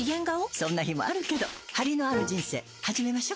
そんな日もあるけどハリのある人生始めましょ。